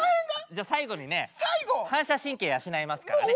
じゃあ最後にね反射神経養いますからね。